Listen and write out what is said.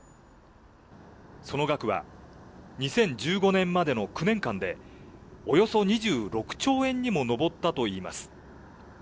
その額は２０１５年までの９年間で、およそ２６兆円にも上ったといいます。